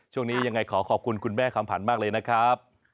ช่วงนี้ยังไงขอขอบคุณคุณแม่คำผันมากเลยนะครับ